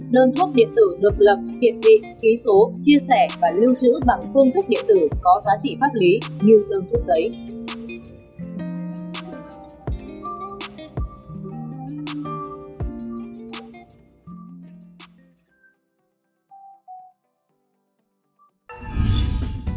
đơn thuốc điện tử được lập kiện kị ký số chia sẻ và lưu trữ bằng phương thức điện tử có giá trị pháp lý như tương thuốc đấy